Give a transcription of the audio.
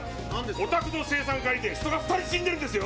お宅の青酸カリで人が２人死んでるんですよ！